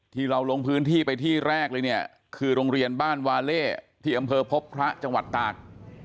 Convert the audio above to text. เราลงพื้นที่ไปที่แรกเลยเนี่ยคือโรงเรียนบ้านวาเล่ที่อำเภอพบพระจังหวัดตาก